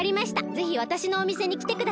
ぜひわたしのおみせにきてください。